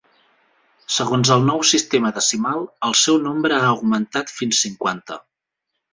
Segons el nou sistema decimal, el seu nombre ha augmentat fins cinquanta.